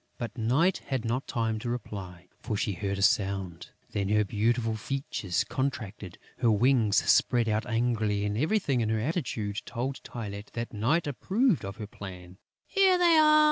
But Night had not time to reply, for she heard a sound. Then her beautiful features contracted; her wings spread out angrily; and everything in her attitude told Tylette that Night approved of her plan. "Here they are!"